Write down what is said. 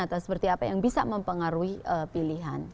atau seperti apa yang bisa mempengaruhi pilihan